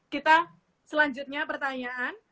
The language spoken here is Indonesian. kita selanjutnya pertanyaan